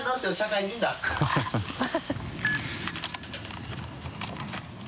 ハハハ